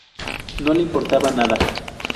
No le importaba nada.